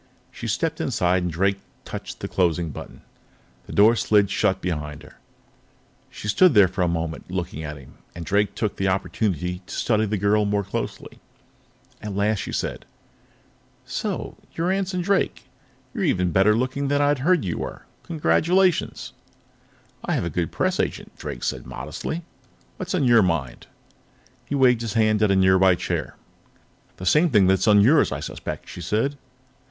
She stepped inside, and Drake touched the closing button. The door slid shut behind her. She stood there for a moment, looking at him, and Drake took the opportunity to study the girl more closely. At last, she said: "So you're Anson Drake. You're even better looking than I'd heard you were. Congratulations." "I have a good press agent," Drake said modestly. "What's on your mind?" He waved his hand at a nearby chair. "The same thing that's on yours, I suspect," she said.